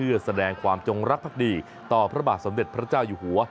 เพื่อแสดงความจงรักภักดีต่อพระบาทสมเด็จพระเจ้าอยู่หัว